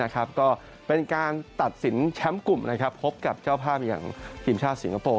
ก็เป็นการตัดสินแชมป์กลุ่มพบกับเจ้าภาพอย่างทีมชาติสิงคโปร์